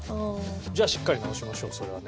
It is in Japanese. じゃあしっかり直しましょうそれはね。